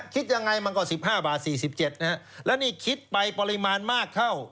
คิดยังไงมันก็๑๕บาท๔๗นะฮะแล้วนี่คิดไปปริมาณมากเข้า